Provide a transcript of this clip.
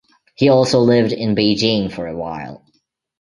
He also lived in Beijing for a while.